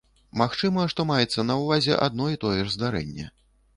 Магчыма, што маецца на ўвазе адно і тое ж здарэнне.